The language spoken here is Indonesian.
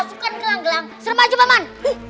pasukan gelang gelang serba jembatan